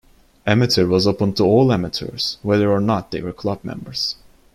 Amateur was opened to all amateurs, whether or not they were club members.